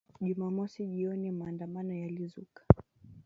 Jumamosi jioni maandamano yalizuka